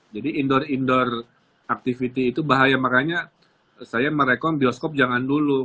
jadi indoor indoor activity itu bahaya makanya saya merekom bioskop jangan dulu